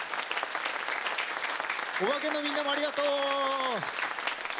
おばけのみんなもありがとう！